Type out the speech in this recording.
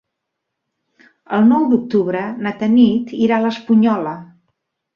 El nou d'octubre na Tanit irà a l'Espunyola.